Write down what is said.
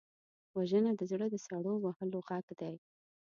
وژنه د زړه د سړو وهلو غږ دی